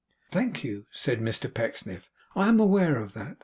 'Thank you,' said Mr Pecksniff; 'I am aware of that.